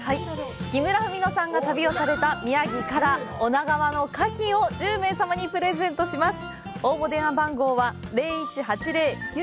木村文乃さんが旅をされた宮城から「女川の牡蠣」を１０名様にプレゼントします。